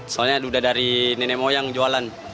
soalnya udah dari nenek moyang jualan